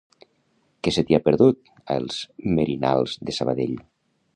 Què se t'hi ha perdut, a Els Merinals de Sabadell?